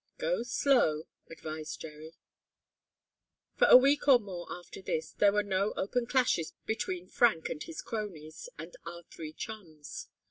"Go slow," advised Jerry. For a week or more after this there were no open clashes between Frank and his cronies and our three chums.